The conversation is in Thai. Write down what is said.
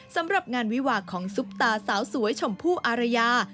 สำหรับงานวิวาของซุปตาสาวสวยชมพู่อารยา